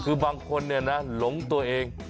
คือบางคนนะคะหลงตัวเอง